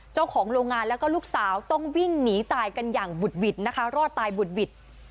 เจ้าของโรงงานแล้วก็ลูกสาวต้องวิ่งหนีตายกันอย่างบุดหวิดนะคะรอดตายบุดหวิด